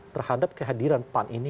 terhadap kehadiran pan ini